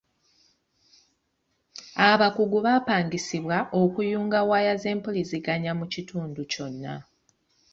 Abakugu bapangisibwa okuyunga waya z'empuliziganya mu kitundu kyonna.